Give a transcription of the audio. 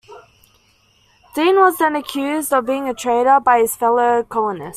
Deane was then accused of being a traitor by his fellow colonists.